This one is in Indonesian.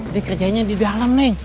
dih kerjanya di dalam neng